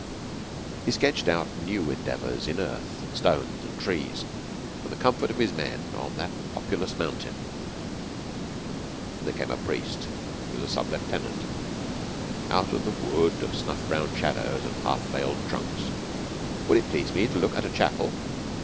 He sketched out new endeavours in earth and stones and trees for the comfort of his men on that populous mountain. And there came a priest, who was a sub lieutenant, out of a wood of snuff brown shadows and half veiled trunks. Would it please me to look at a chapel?